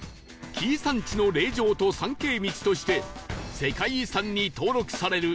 紀伊山地の霊場と参詣道として世界遺産に登録される